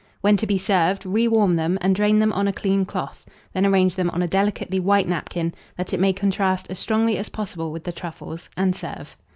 When to be served, rewarm them, and drain them on a clean cloth; then arrange them on a delicately white napkin, that it may contrast as strongly as possible with the truffles, and serve.